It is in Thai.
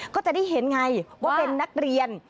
ก็จะได้เห็นไงว่าเป็นนักเรียน